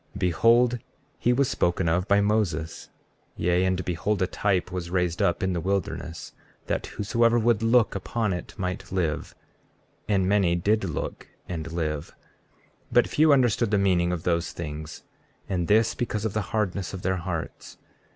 33:19 Behold, he was spoken of by Moses; yea, and behold a type was raised up in the wilderness, that whosoever would look upon it might live. And many did look and live. 33:20 But few understood the meaning of those things, and this because of the hardness of their hearts.